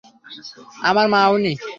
আমার মা উনি।